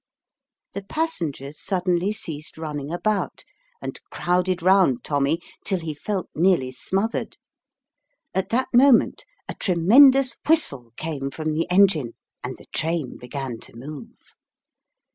The passengers suddenly ceased running about, and crowded round Tommy till he felt nearly smothered. At that moment a tremendous whistle came from the engine, and the train began to move.